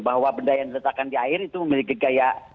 bahwa benda yang diletakkan di air itu memiliki gaya